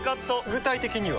具体的には？